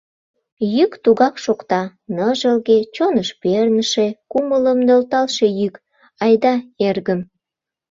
Йӱк тугак шокта: ныжылге, чоныш перныше, кумылым нӧлталше йӱк: «Айда, эргым.